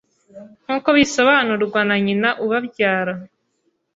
nk’uko bisobanurwa na nyina ubabyara